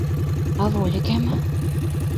— А вольыкем?